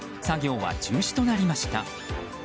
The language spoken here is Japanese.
作業は中止となりました。